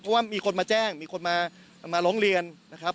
เพราะว่ามีคนมาแจ้งมีคนมาร้องเรียนนะครับ